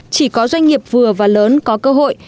chỉ có doanh nghiệp vừa và lớn có cơ hội